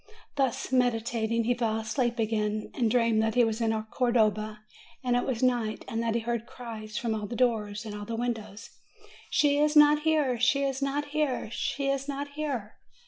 Thus meditating, he fell asleep again, and dreamed that he was in Cordova, and it was night, and that he heard cries from all the doors and all the windows : "She is not here ! She is not here ! She is not here